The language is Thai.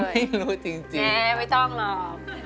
แม่ไม่ต้องหรอก